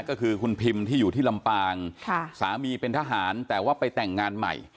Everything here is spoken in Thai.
ก็คือคุณพิมที่อยู่ที่ลำปางสามีเป็นทหารแต่ว่าไปแต่งงานใหม่